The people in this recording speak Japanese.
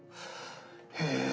へえ。